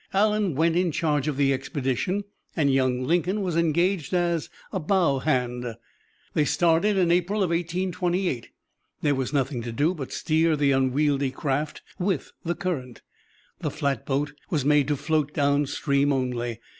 Allen went in charge of the expedition, and young Lincoln was engaged as "bow hand." They started in April, 1828. There was nothing to do but steer the unwieldy craft with the current. The flatboat was made to float down stream only.